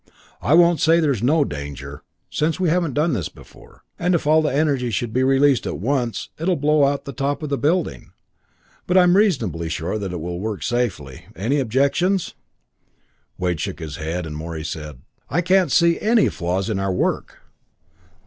"I won't say there's no danger, since we haven't done this before; and if all the energy should be released at once, it'll blow the top out of the building. But I'm reasonably sure that it will work safely. Any objections?" Wade shook his head, and Morey said: "I can't see any flaws in our work."